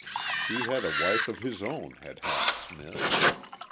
He had a wife of his own, had Hap Smith.